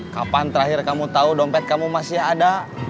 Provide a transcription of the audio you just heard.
kapan terakhir kamu tahu dompet kamu masih ada